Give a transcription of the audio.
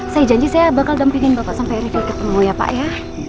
saya janji saya bakal dampingin bapak sampai river ketemu ya pak ya